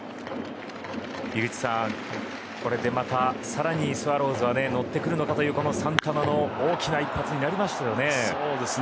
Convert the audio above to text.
井口さん、これでまた更にスワローズは乗ってくるのかというこのサンタナの大きな一発になりましたね。